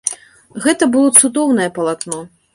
Гэта было цудоўнае палатно.